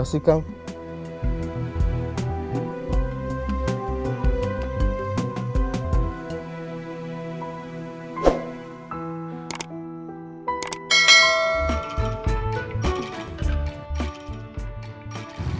terima kasih kang